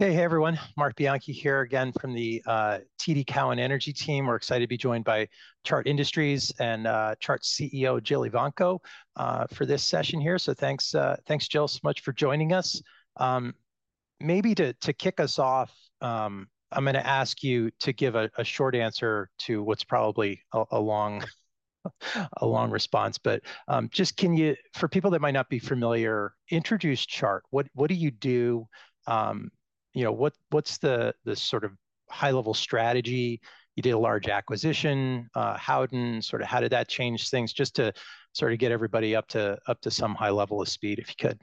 Hey, hey, everyone. Marc Bianchi here again from the TD Cowen Energy Team. We're excited to be joined by Chart Industries and Chart's CEO, Jill Evanko, for this session here, so thanks, thanks, Jill, so much for joining us. Maybe to kick us off, I'm gonna ask you to give a short answer to what's probably a long response. But just can you, for people that might not be familiar, introduce Chart. What do you do? You know, what's the sort of high-level strategy? You did a large acquisition, Howden. Sort of, how did that change things? Just to sort of get everybody up to some high level of speed, if you could.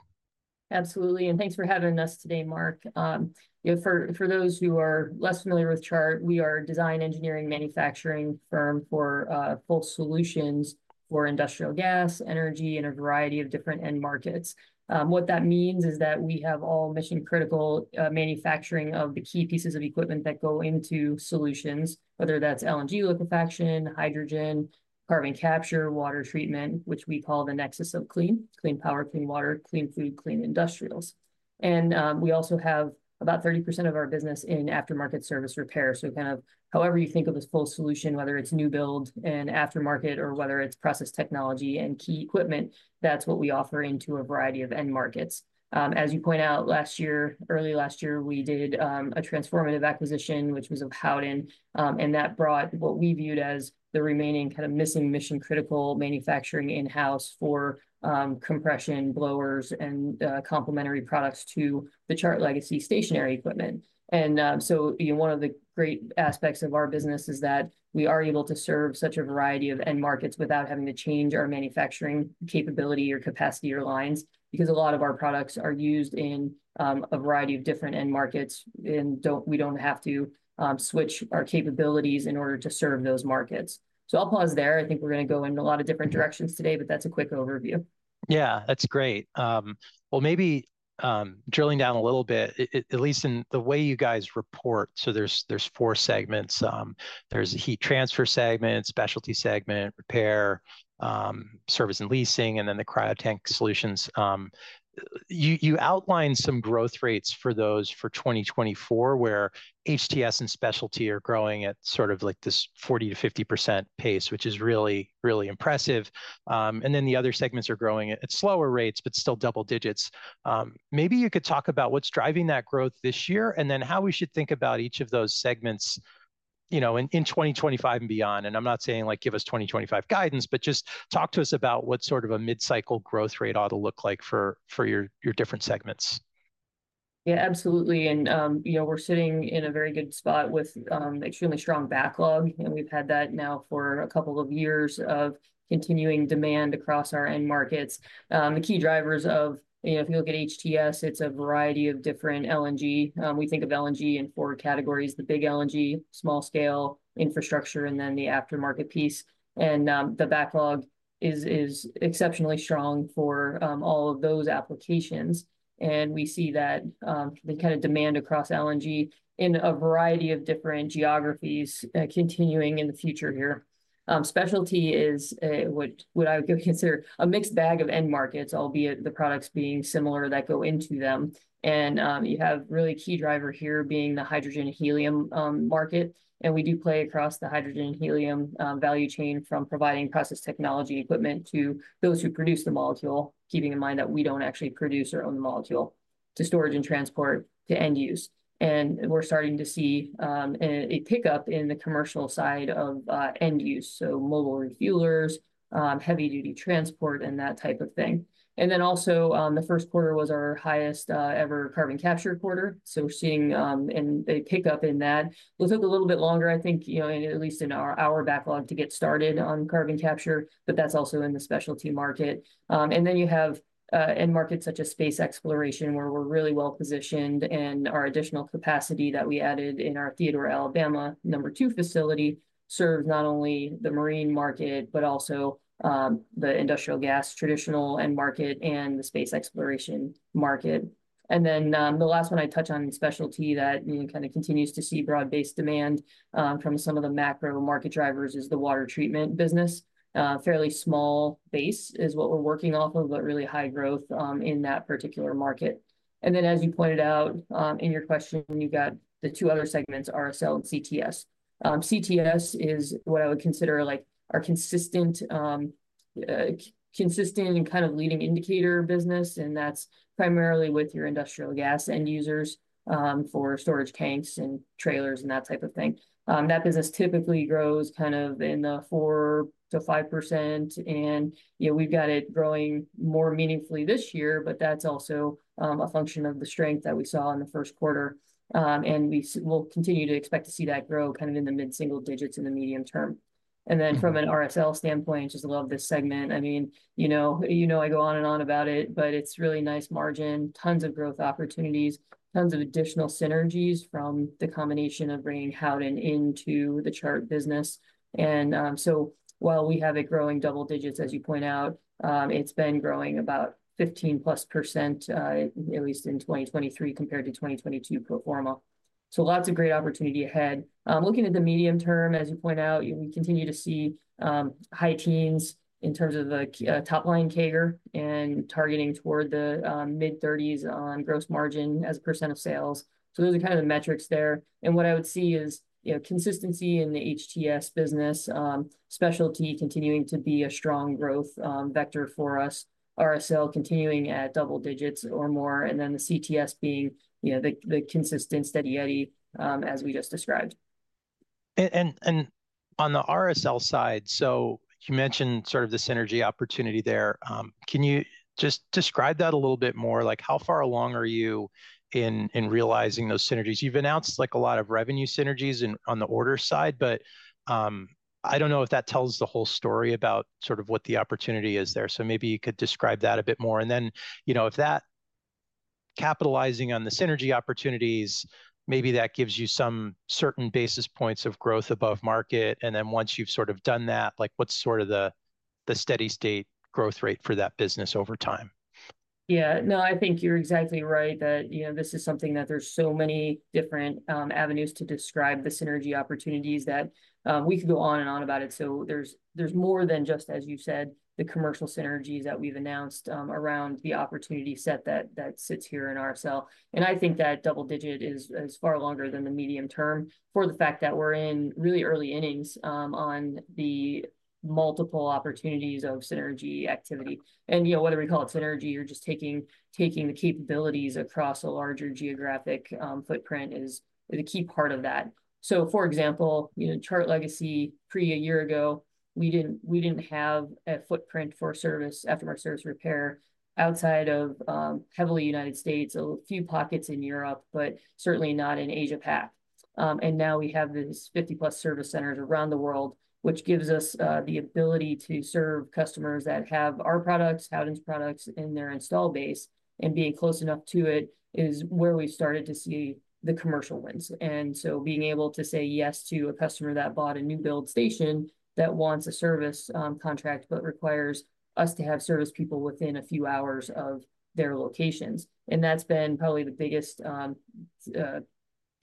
Absolutely, and thanks for having us today, Marc. You know, for those who are less familiar with Chart, we are a design engineering manufacturing firm for full solutions for industrial gas, energy, and a variety of different end markets. What that means is that we have all mission-critical manufacturing of the key pieces of equipment that go into solutions, whether that's LNG liquefaction, hydrogen, carbon capture, water treatment, which we call the Nexus of Clean: clean power, clean water, clean food, clean industrials. And we also have about 30% of our business in aftermarket service repair, so kind of however you think of this full solution, whether it's new build and aftermarket, or whether it's process technology and key equipment, that's what we offer into a variety of end markets. As you point out, last year, early last year, we did a transformative acquisition, which was of Howden, and that brought what we viewed as the remaining kind of missing mission-critical manufacturing in-house for compression, blowers, and complementary products to the Chart legacy stationary equipment. So, you know, one of the great aspects of our business is that we are able to serve such a variety of end markets without having to change our manufacturing capability or capacity or lines. Because a lot of our products are used in a variety of different end markets, and we don't have to switch our capabilities in order to serve those markets. So I'll pause there. I think we're gonna go into a lot of different directions today, but that's a quick overview. Yeah, that's great. Well, maybe, drilling down a little bit, at least in the way you guys report, so there's four segments. There's a Heat Transfer segment, Specialty segment, Repair, Service and Leasing, and then the Cryo Tank Solutions. You outlined some growth rates for those for 2024, where HTS and specialty are growing at sort of, like, this 40%-50% pace, which is really, really impressive. And then the other segments are growing at slower rates, but still double digits. Maybe you could talk about what's driving that growth this year, and then how we should think about each of those segments, you know, in 2025 and beyond. I'm not saying, like, "Give us 2025 guidance," but just talk to us about what sort of a mid-cycle growth rate ought to look like for your different segments. Yeah, absolutely. And, you know, we're sitting in a very good spot with, extremely strong backlog, and we've had that now for a couple of years of continuing demand across our end markets. The key drivers of... You know, if you look at HTS, it's a variety of different LNG. We think of LNG in four categories: the big LNG, small scale, infrastructure, and then the aftermarket piece. And, the backlog is exceptionally strong for, all of those applications, and we see that, the kind of demand across LNG in a variety of different geographies, continuing in the future here. Specialty is, what I would consider a mixed bag of end markets, albeit the products being similar that go into them. You have really key driver here being the hydrogen helium market, and we do play across the hydrogen and helium value chain from providing process technology equipment to those who produce the molecule, keeping in mind that we don't actually produce our own molecule, to storage and transport to end use. We're starting to see a pickup in the commercial side of end use, so mobile refuelers, heavy-duty transport, and that type of thing. Then also, the first quarter was our highest ever carbon capture quarter, so we're seeing and a pickup in that. It'll take a little bit longer, I think, you know, in at least our backlog to get started on carbon capture, but that's also in the Specialty market. And then you have end markets such as space exploration, where we're really well-positioned, and our additional capacity that we added in our Theodore, Alabama, number two facility serves not only the marine market but also the industrial gas, traditional end market, and the space exploration market. And then the last one I'd touch on in Specialty that kind of continues to see broad-based demand from some of the macro market drivers is the water treatment business. Fairly small base is what we're working off of, but really high growth in that particular market. And then, as you pointed out in your question, you got the two other segments, RSL and CTS. CTS is what I would consider, like, our consistent and kind of leading indicator business, and that's primarily with your industrial gas end users, for storage tanks and trailers and that type of thing. That business typically grows kind of in the 4%-5%, and, you know, we've got it growing more meaningfully this year, but that's also a function of the strength that we saw in the first quarter. And we'll continue to expect to see that grow kind of in the mid-single digits in the medium term. And then from an RSL standpoint, just love this segment. I mean, you know, you know I go on and on about it, but it's really nice margin, tons of growth opportunities, tons of additional synergies from the combination of bringing Howden into the Chart business. So while we have it growing double digits, as you point out, it's been growing about 15%+, at least in 2023, compared to 2022. So lots of great opportunity ahead. Looking at the medium term, as you point out, you know, we continue to see high teens in terms of the top-line CAGR, and targeting toward the mid-thirties% on gross margin as a % of sales. So those are kind of the metrics there. And what I would see is, you know, consistency in the HTS business, specialty continuing to be a strong growth vector for us, RSL continuing at double digits or more, and then the CTS being, you know, the consistent steady eddy, as we just described. On the RSL side, so you mentioned sort of the synergy opportunity there. Can you just describe that a little bit more? Like, how far along are you in realizing those synergies? You've announced, like, a lot of revenue synergies on the order side, but I don't know if that tells the whole story about sort of what the opportunity is there. So maybe you could describe that a bit more. And then, you know, if capitalizing on the synergy opportunities maybe that gives you some certain basis points of growth above market, and then once you've sort of done that, like, what's sort of the steady state growth rate for that business over time? Yeah, no, I think you're exactly right that, you know, this is something that there's so many different avenues to describe the synergy opportunities that we could go on and on about it. So there's, there's more than just, as you said, the commercial synergies that we've announced around the opportunity set that that sits here in RSL. And I think that double digit is far longer than the medium term, for the fact that we're in really early innings on the multiple opportunities of synergy activity. And, you know, whether we call it synergy or just taking, taking the capabilities across a larger geographic footprint is the key part of that. So, for example, you know, Chart Legacy, pre a year ago, we didn't have a footprint for service, aftermarket service repair, outside of heavily United States, a few pockets in Europe, but certainly not in Asia Pac. And now we have these 50+ service centers around the world, which gives us the ability to serve customers that have our products, Howden's products in their install base, and being close enough to it is where we've started to see the commercial wins. And so being able to say yes to a customer that bought a new build station, that wants a service contract, but requires us to have service people within a few hours of their locations. And that's been probably the biggest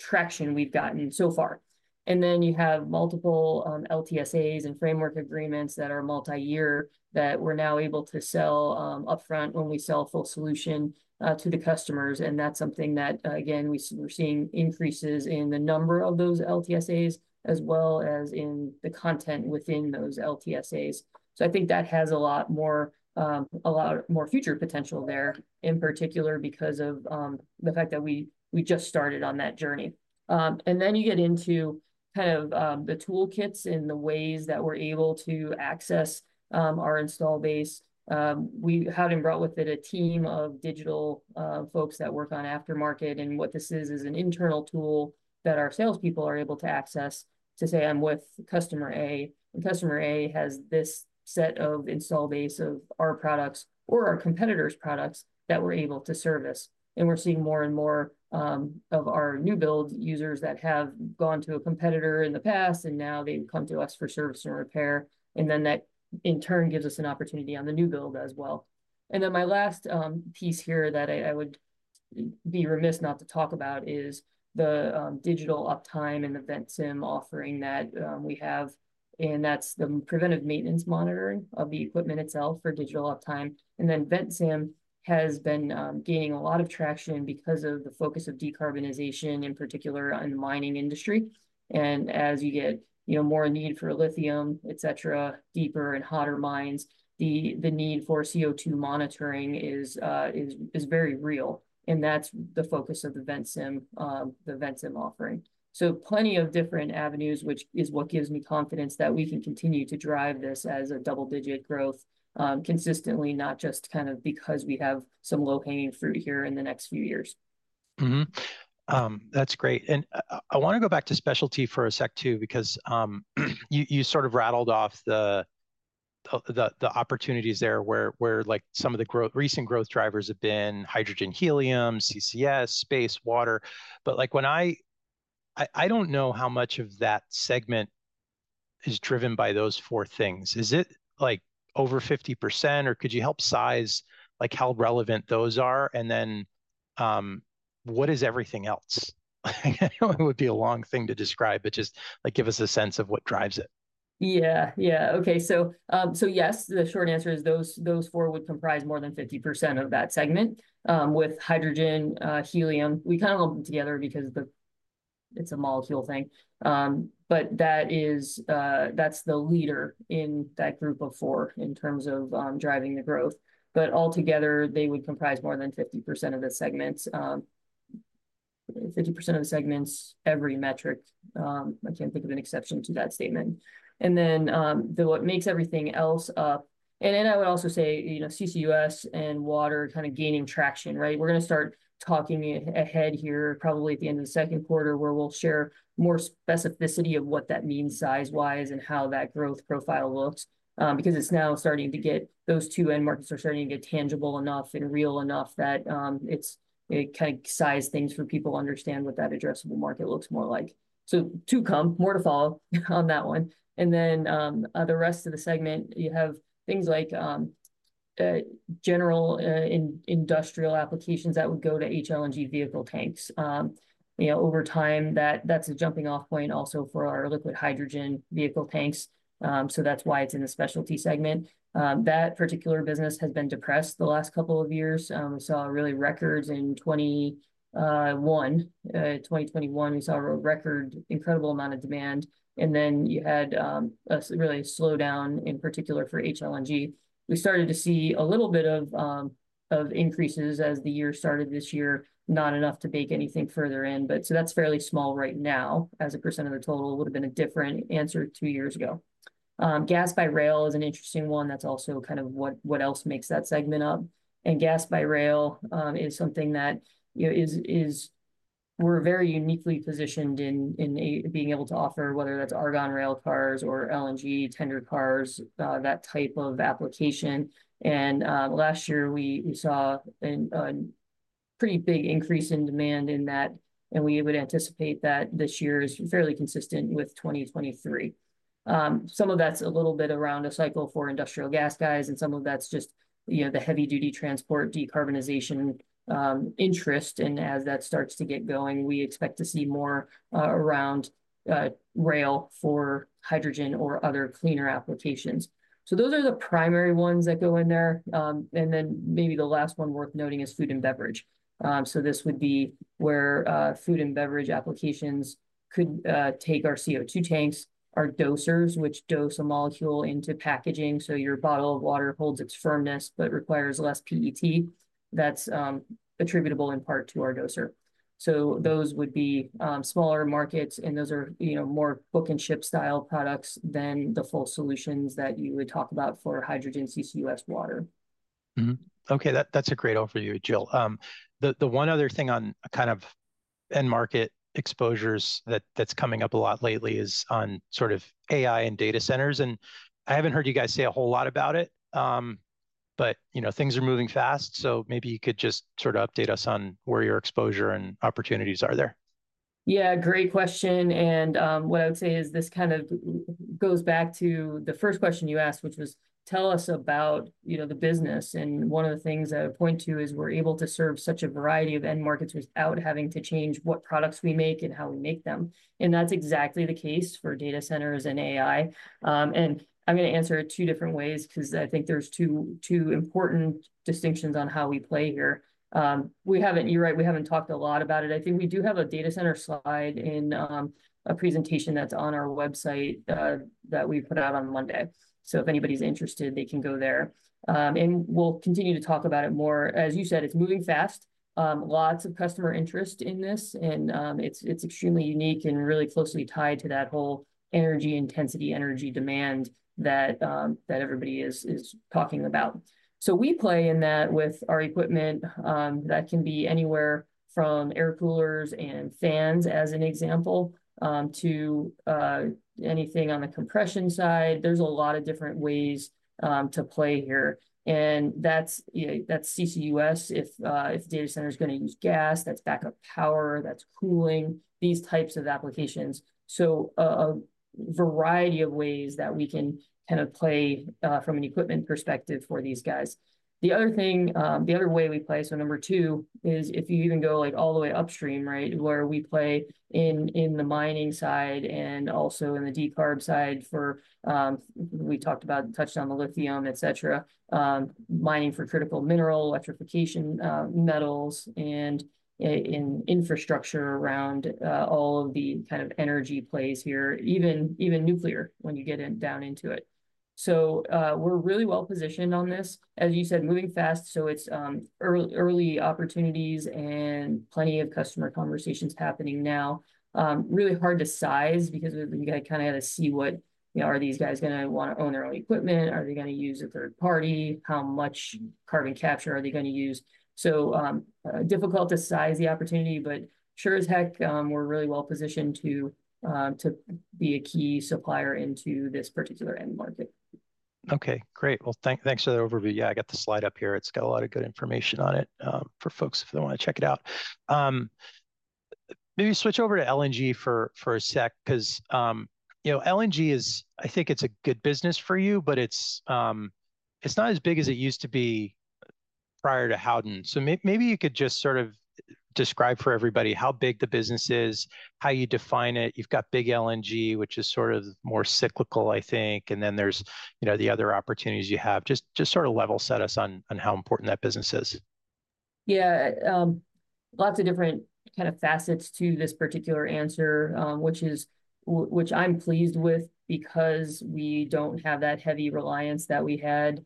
traction we've gotten so far. And then you have multiple LTSAs and framework agreements that are multi-year, that we're now able to sell upfront when we sell a full solution to the customers. And that's something that, again, we're seeing increases in the number of those LTSAs, as well as in the content within those LTSAs. So I think that has a lot more a lot more future potential there, in particular because of the fact that we just started on that journey. And then you get into kind of the toolkits and the ways that we're able to access our install base. We... Howden brought with it a team of digital folks that work on aftermarket, and what this is, is an internal tool that our salespeople are able to access to say, "I'm with customer A, and customer A has this set of installed base of our products or our competitor's products that we're able to service." We're seeing more and more of our new build users that have gone to a competitor in the past, and now they've come to us for service and repair. Then that, in turn, gives us an opportunity on the new build as well. Then my last piece here that I would be remiss not to talk about is the digital uptime and the Ventsim offering that we have, and that's the preventive maintenance monitoring of the equipment itself for digital uptime. And then Ventsim has been gaining a lot of traction because of the focus of decarbonization, in particular on the mining industry. As you get, you know, more need for lithium, et cetera, deeper and hotter mines, the need for CO2 monitoring is very real, and that's the focus of the Ventsim offering. Plenty of different avenues, which is what gives me confidence that we can continue to drive this as a double-digit growth consistently, not just kind of because we have some low-hanging fruit here in the next few years. That's great. And I, I wanna go back to Specialty for a sec, too, because you, you sort of rattled off the, the, the opportunities there, where, where, like, some of the recent growth drivers have been hydrogen, helium, CCS, space, water. But, like, when I... I, I don't know how much of that segment is driven by those four things. Is it, like, over 50%, or could you help size, like, how relevant those are? And then, what is everything else? I know it would be a long thing to describe, but just, like, give us a sense of what drives it. Yeah, yeah. Okay, so, so yes, the short answer is those, those four would comprise more than 50% of that segment. With hydrogen, helium, we kind of lump them together because it's a molecule thing. But that is, that's the leader in that group of four in terms of driving the growth. But altogether, they would comprise more than 50% of the segment. 50% of the segment's every metric. I can't think of an exception to that statement. And then, though what makes everything else up. And then I would also say, you know, CCUS and water are kind of gaining traction, right? We're gonna start talking ahead here, probably at the end of the second quarter, where we'll share more specificity of what that means size-wise and how that growth profile looks. Because it's now starting to get, those two end markets are starting to get tangible enough and real enough that, it kind of sizes things for people to understand what that addressable market looks more like. So, more to come, more to follow on that one. Then, the rest of the segment, you have things like general industrial applications that would go to LNG vehicle tanks. You know, over time, that's a jumping-off point also for our liquid hydrogen vehicle tanks, so that's why it's in the specialty segment. That particular business has been depressed the last couple of years. We saw records in 2021. In 2021, we saw a record, incredible amount of demand, and then you had a real slowdown in particular for LNG. We started to see a little bit of increases as the year started this year, not enough to bake anything further in, but so that's fairly small right now as a % of the total. Would've been a different answer two years ago. Gas by rail is an interesting one, that's also kind of what else makes that segment up. And gas by rail is something that, you know, is. We're very uniquely positioned in being able to offer, whether that's argon rail cars or LNG tender cars, that type of application. And last year we saw a pretty big increase in demand in that, and we would anticipate that this year is fairly consistent with 2023. Some of that's a little bit around a cycle for industrial gas guys, and some of that's just, you know, the heavy-duty transport decarbonization interest, and as that starts to get going, we expect to see more around rail for hydrogen or other cleaner applications. So those are the primary ones that go in there. And then maybe the last one worth noting is food and beverage. So this would be where food and beverage applications could take our CO2 tanks, our dosers, which dose a molecule into packaging, so your bottle of water holds its firmness but requires less PET. That's attributable in part to our doser. So those would be smaller markets, and those are, you know, more book and ship style products than the full solutions that you would talk about for hydrogen CCUS water. Okay, that's a great overview, Jill. The one other thing on kind of end market exposures that's coming up a lot lately is on sort of AI and data centers, and I haven't heard you guys say a whole lot about it. But, you know, things are moving fast, so maybe you could just sort of update us on where your exposure and opportunities are there. Yeah, great question, and what I would say is this kind of what goes back to the first question you asked, which was, "Tell us about, you know, the business." And one of the things I would point to is we're able to serve such a variety of end markets without having to change what products we make and how we make them, and that's exactly the case for data centers and AI. And I'm gonna answer it two different ways, 'cause I think there's two important distinctions on how we play here. We haven't talked a lot about it. You're right, we haven't talked a lot about it. I think we do have a data center slide in a presentation that's on our website that we put out on Monday. So if anybody's interested, they can go there. And we'll continue to talk about it more. As you said, it's moving fast. Lots of customer interest in this, and, it's, it's extremely unique and really closely tied to that whole energy intensity, energy demand that, that everybody is, is talking about. So we play in that with our equipment. That can be anywhere from air coolers and fans, as an example, to, anything on the compression side. There's a lot of different ways, to play here, and that's, you know, that's CCUS, if, if data center's gonna use gas, that's backup power, that's cooling, these types of applications. So, a variety of ways that we can kind of play, from an equipment perspective for these guys. The other thing, the other way we play, so number two, is if you even go, like, all the way upstream, right, where we play in, in the mining side and also in the decarb side for, we talked about, touched on the lithium, et cetera, mining for critical mineral, electrification, metals, and in infrastructure around, all of the kind of energy plays here, even, even nuclear, when you get in, down into it. So, we're really well-positioned on this. As you said, moving fast, so it's early opportunities and plenty of customer conversations happening now. Really hard to size because we kinda gotta see what... You know, are these guys gonna wanna own their own equipment? Are they gonna use a third party? How much carbon capture are they gonna use? So, difficult to size the opportunity, but sure as heck, we're really well-positioned to be a key supplier into this particular end market. Okay, great. Well, thanks for the overview. Yeah, I got the slide up here. It's got a lot of good information on it, for folks if they wanna check it out. Maybe switch over to LNG for a sec, 'cause, you know, LNG is... I think it's a good business for you, but it's, it's not as big as it used to be prior to Howden. So maybe you could just sort of describe for everybody how big the business is, how you define it. You've got big LNG, which is sort of more cyclical, I think, and then there's, you know, the other opportunities you have. Just sort of level set us on how important that business is. Yeah. Lots of different kind of facets to this particular answer, which I'm pleased with, because we don't have that heavy reliance that we had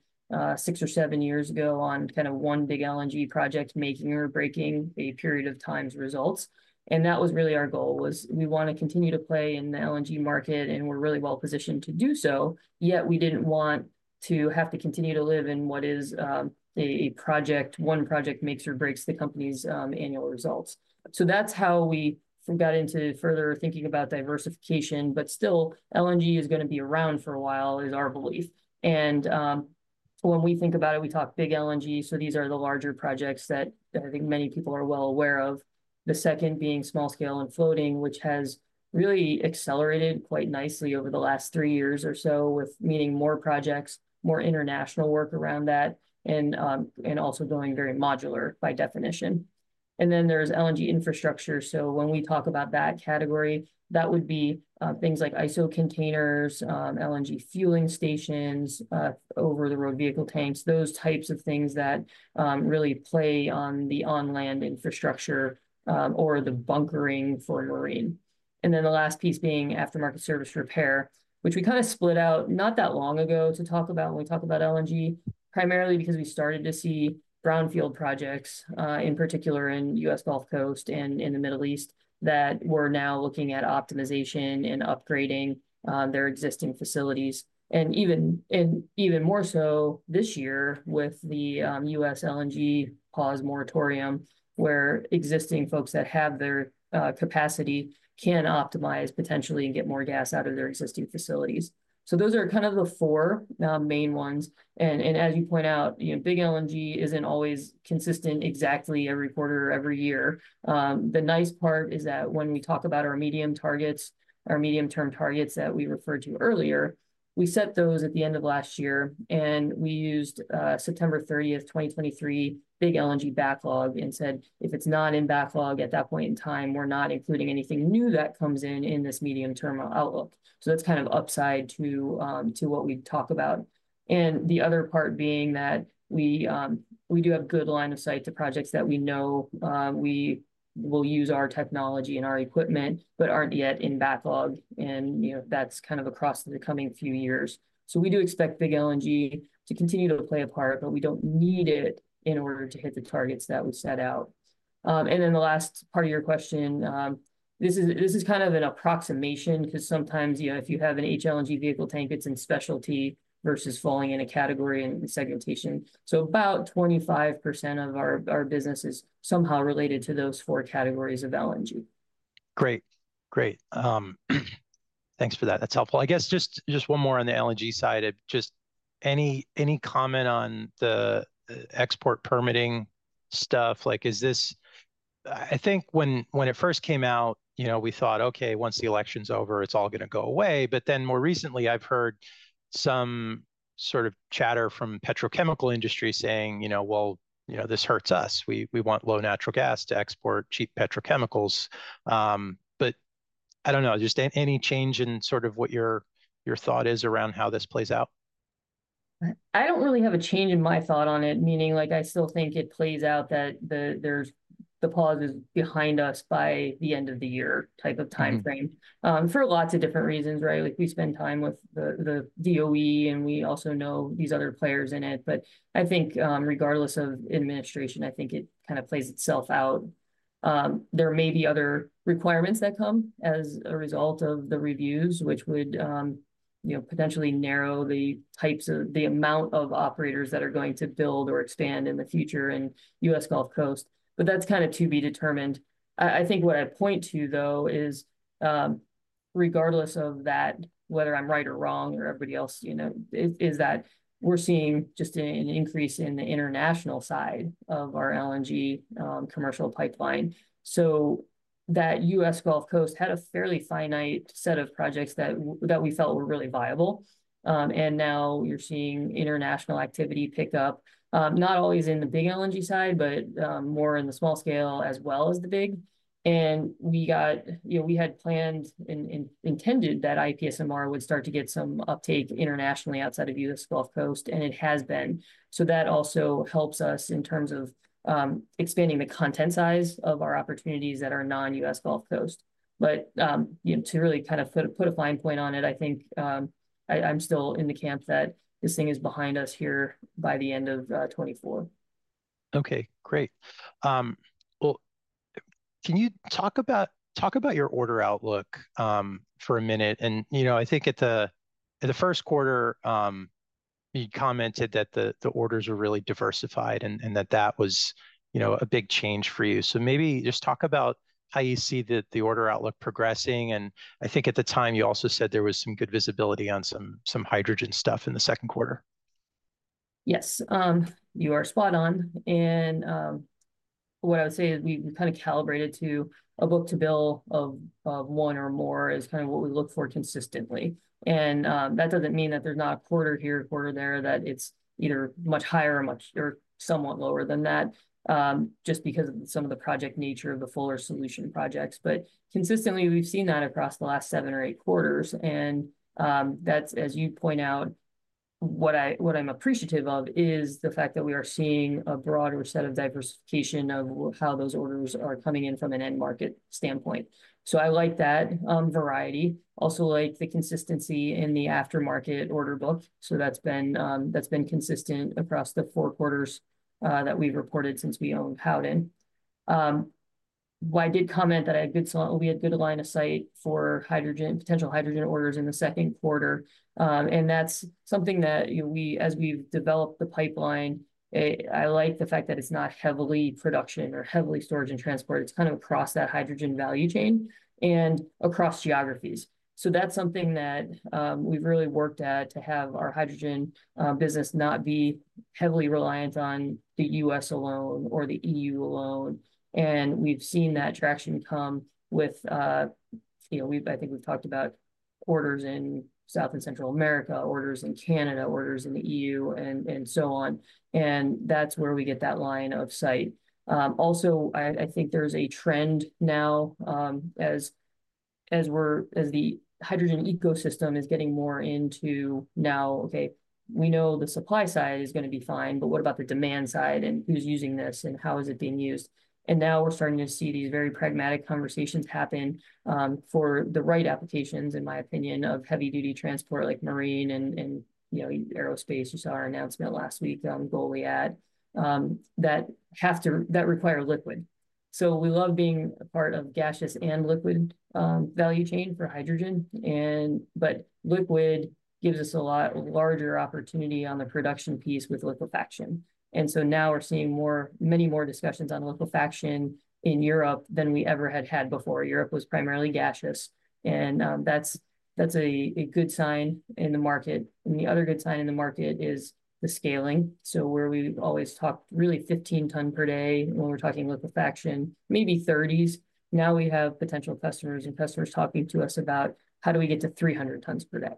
six or seven years ago on kind of one big LNG project making or breaking a period of time's results. That was really our goal, was we want to continue to play in the LNG market, and we're really well-positioned to do so, yet we didn't want to have to continue to live in what is a project, one project makes or breaks the company's annual results. That's how we sort of got into further thinking about diversification, but still, LNG is gonna be around for a while, is our belief. And, when we think about it, we talk Big LNG, so these are the larger projects that, that I think many people are well aware of. The second being small scale and floating, which has really accelerated quite nicely over the last three years or so with meeting more projects, more international work around that, and, and also going very modular, by definition, and then there's LNG infrastructure. So when we talk about that category, that would be, things like ISO containers, LNG fueling stations, over-the-road vehicle tanks, those types of things that, really play on the on-land infrastructure, or the bunkering for marine. And then the last piece being aftermarket service repair, which we kind of split out not that long ago to talk about when we talk about LNG, primarily because we started to see brownfield projects, in particular, in U.S. Gulf Coast and in the Middle East, that we're now looking at optimization and upgrading their existing facilities. And even more so this year with the U.S. LNG pause moratorium, where existing folks that have their capacity can optimize potentially and get more gas out of their existing facilities. So those are kind of the four main ones. And, and as you point out, you know, Big LNG isn't always consistent exactly every quarter or every year. The nice part is that when we talk about our medium targets, our medium-term targets that we referred to earlier, we set those at the end of last year, and we used September 30th, 2023, Big LNG backlog and said, "If it's not in backlog at that point in time, we're not including anything new that comes in, in this medium-term outlook." So that's kind of upside to what we talk about. And the other part being that we do have good line of sight to projects that we know we will use our technology and our equipment, but aren't yet in backlog, and, you know, that's kind of across the coming few years. So we do expect Big LNG to continue to play a part, but we don't need it in order to hit the targets that we set out. And then the last part of your question, this is kind of an approximation, 'cause sometimes, you know, if you have an LNG vehicle tank, it's in Specialty versus falling in a category in the segmentation. So about 25% of our business is somehow related to those four categories of LNG. Great. Great, thanks for that. That's helpful. I guess just, just one more on the LNG side of just any, any comment on the, the export permitting stuff? Like, is this... I, I think when, when it first came out, you know, we thought, "Okay, once the election's over, it's all gonna go away." But then more recently I've heard some sort of chatter from petrochemical industry saying, you know, "Well, you know, this hurts us. We, we want low natural gas to export cheap petrochemicals." But I don't know, just any, any change in sort of what your, your thought is around how this plays out? I don't really have a change in my thought on it, meaning, like, I still think it plays out that the pause is behind us by the end of the year type of timeframe for lots of different reasons, right? Like, we spend time with the DOE, and we also know these other players in it. But I think, regardless of administration, I think it kind of plays itself out. There may be other requirements that come as a result of the reviews, which would, you know, potentially narrow the types of, the amount of operators that are going to build or expand in the future in U.S. Gulf Coast, but that's kind of to be determined. I think what I'd point to, though, is, regardless of that, whether I'm right or wrong, or everybody else, you know, is that we're seeing just an increase in the international side of our LNG commercial pipeline. So that US Gulf Coast had a fairly finite set of projects that we felt were really viable. And now you're seeing international activity pick up, not always in the big LNG side, but more in the small scale as well as the big. And we got. You know, we had planned and intended that IPSMR would start to get some uptake internationally outside of US Gulf Coast, and it has been. So that also helps us in terms of expanding the content size of our opportunities that are non-US Gulf Coast. But you know, to really kind of put a fine point on it, I think I'm still in the camp that this thing is behind us here by the end of 2024. Okay, great. Well, can you talk about your order outlook for a minute? And, you know, I think at the first quarter, you commented that the orders are really diversified, and that was, you know, a big change for you. So maybe just talk about how you see the order outlook progressing, and I think at the time you also said there was some good visibility on some hydrogen stuff in the second quarter. Yes, you are spot on. What I would say is we've kind of calibrated to a book-to-bill of one or more, is kind of what we look for consistently. That doesn't mean that there's not a quarter here, a quarter there, that it's either much higher or much or somewhat lower than that, just because of some of the project nature of the fuller solution projects. But consistently, we've seen that across the last seven or eight quarters, and that's, as you point out, what I'm appreciative of is the fact that we are seeing a broader set of diversification of how those orders are coming in from an end market standpoint. So I like that, variety. Also, like the consistency in the aftermarket order book, so that's been, that's been consistent across the four quarters, that we've reported since we owned Howden. Well, I did comment that we had good line of sight for hydrogen, potential hydrogen orders in the second quarter, and that's something that, you know, we, as we've developed the pipeline, I like the fact that it's not heavily production or heavily storage and transport. It's kind of across that hydrogen value chain and across geographies. So that's something that, we've really worked at, to have our hydrogen business not be heavily reliant on the US alone or the EU alone. And we've seen that traction come with, you know, we've- I think we've talked about-... orders in South and Central America, orders in Canada, orders in the EU, and so on. And that's where we get that line of sight. Also, I think there's a trend now, as the hydrogen ecosystem is getting more into now, "Okay, we know the supply side is gonna be fine, but what about the demand side, and who's using this, and how is it being used?" And now we're starting to see these very pragmatic conversations happen, for the right applications, in my opinion, of heavy-duty transport, like marine and, you know, aerospace. You saw our announcement last week on Goliad, that require liquid. So we love being a part of gaseous and liquid, value chain for hydrogen, and, but liquid gives us a lot larger opportunity on the production piece with liquefaction. Now we're seeing many more discussions on liquefaction in Europe than we ever had had before. Europe was primarily gaseous, and that's a good sign in the market. The other good sign in the market is the scaling. So where we've always talked really 15 tons per day when we're talking liquefaction, maybe 30s, now we have potential customers and customers talking to us about, "How do we get to 300 tons per day?"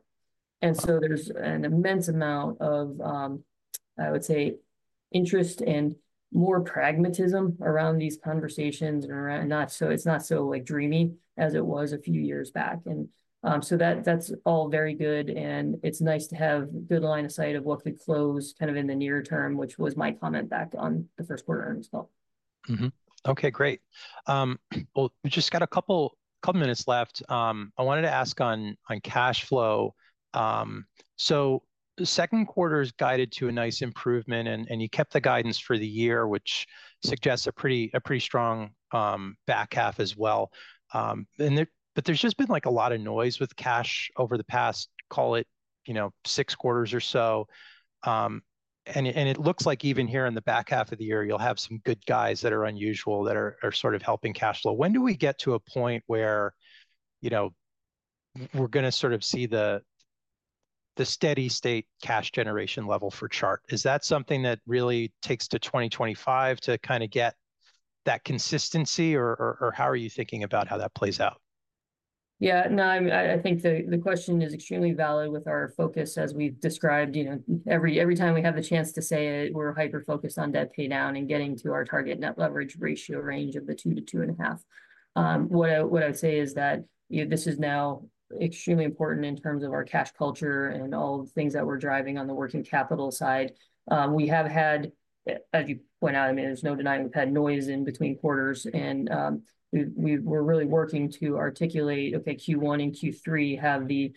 And so there's an immense amount of, I would say, interest and more pragmatism around these conversations. It's not so, like, dreamy as it was a few years back. That's all very good, and it's nice to have good line of sight of what could close kind of in the near term, which was my comment back on the first quarter earnings call. Okay, great. Well, we just got a couple minutes left. I wanted to ask on cash flow. So the second quarter's guided to a nice improvement, and you kept the guidance for the year, which suggests a pretty strong back half as well. But there's just been, like, a lot of noise with cash over the past, call it, you know, six quarters or so. And it looks like even here in the back half of the year, you'll have some good guys that are unusual, that are sort of helping cash flow. When do we get to a point where, you know, we're gonna sort of see the steady state cash generation level for Chart? Is that something that really takes to 2025 to kind of get that consistency, or, or, or how are you thinking about how that plays out? Yeah, no, I mean, I think the question is extremely valid with our focus as we've described. You know, every time we have the chance to say it, we're hyper-focused on debt paydown and getting to our target net leverage ratio range of 2-2.5. What I would say is that, you know, this is now extremely important in terms of our cash culture and all the things that we're driving on the working capital side. We have had, as you point out, I mean, there's no denying we've had noise in between quarters and, we're really working to articulate, okay, Q1 and Q3 have the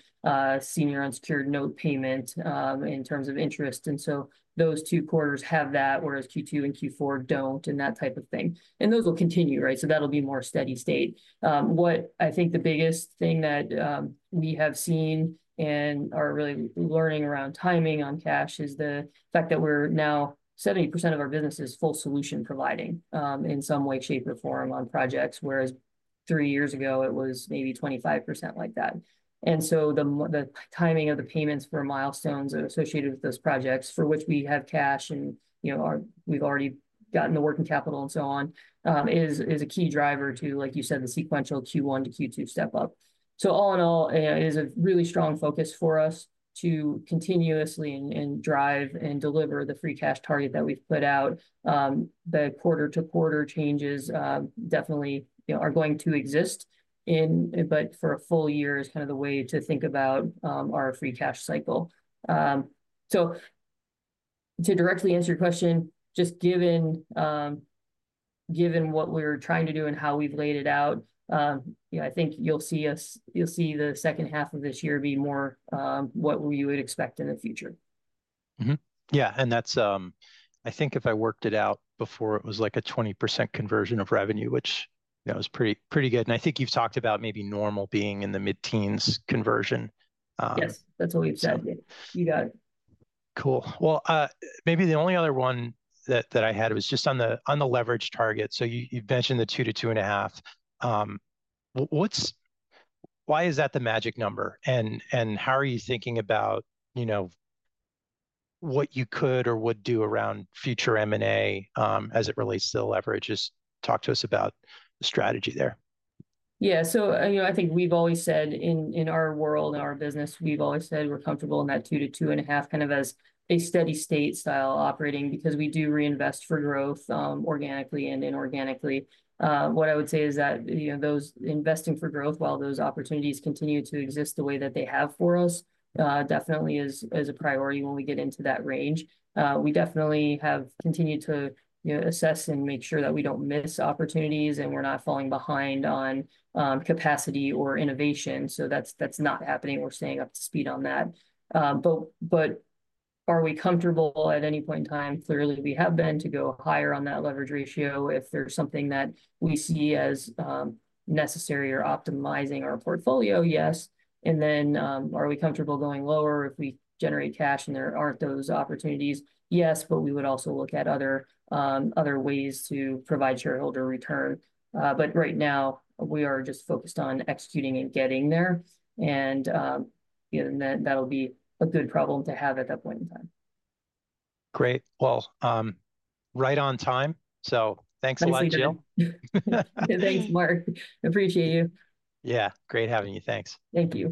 senior unsecured note payment in terms of interest. And so those two quarters have that, whereas Q2 and Q4 don't, and that type of thing. Those will continue, right? That'll be more steady state. What I think the biggest thing that we have seen and are really learning around timing on cash is the fact that we're now 70% of our business is full solution providing, in some way, shape, or form on projects, whereas three years ago, it was maybe 25% like that. And so the timing of the payments for milestones associated with those projects, for which we have cash and, you know, we've already gotten the working capital and so on, is a key driver to, like you said, the sequential Q1 to Q2 step-up. So all in all, it is a really strong focus for us to continuously and drive and deliver the free cash target that we've put out. The quarter-to-quarter changes, definitely, you know, are going to exist in... But for a full year is kind of the way to think about our free cash cycle. So to directly answer your question, just given what we're trying to do and how we've laid it out, you know, I think you'll see the second half of this year be more what we would expect in the future. Yeah, and that's, I think if I worked it out before, it was like a 20% conversion of revenue, which, you know, is pretty, pretty good. And I think you've talked about maybe normal being in the mid-teens conversion, Yes, that's what we've said. So- You got it. Cool. Well, maybe the only other one that I had was just on the leverage target. So you've mentioned the two-2.5. Why is that the magic number, and how are you thinking about, you know, what you could or would do around future M&A, as it relates to the leverage? Just talk to us about the strategy there. Yeah, so, you know, I think we've always said in, in our world, in our business, we've always said we're comfortable in that 2-2.5, kind of as a steady state style operating, because we do reinvest for growth, organically and inorganically. What I would say is that, you know, those investing for growth, while those opportunities continue to exist the way that they have for us, definitely is a priority when we get into that range. We definitely have continued to, you know, assess and make sure that we don't miss opportunities, and we're not falling behind on, capacity or innovation. So that's not happening. We're staying up to speed on that. But are we comfortable at any point in time? Clearly, we have been to go higher on that leverage ratio if there's something that we see as necessary or optimizing our portfolio, yes. And then, are we comfortable going lower if we generate cash and there aren't those opportunities? Yes, but we would also look at other ways to provide shareholder return. But right now, we are just focused on executing and getting there, and you know, and that, that'll be a good problem to have at that point in time. Great. Well, right on time, so thanks a lot, Jill. Thanks, Marc. Appreciate you. Yeah, great having you. Thanks. Thank you.